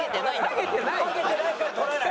ハゲてないから取らない。